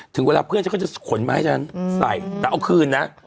ถึงเวลาเพื่อนฉันก็จะขนมาให้ฉันใส่แต่เอาคืนนะ